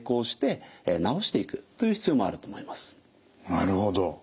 なるほど。